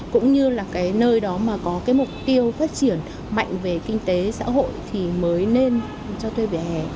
cũng như là cái nơi đó mà có cái mục tiêu phát triển mạnh về kinh tế xã hội thì mới nên cho thuê vỉa hè